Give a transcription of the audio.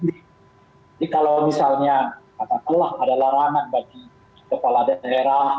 jadi kalau misalnya katakanlah ada larangan bagi kepala daerah